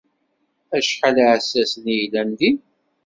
Acḥal iεessasen i yellan din?